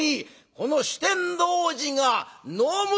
この酒呑童子が飲むぞ」。